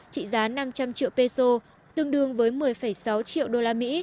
trị giá năm trăm linh triệu peso tương đương với một mươi sáu triệu usd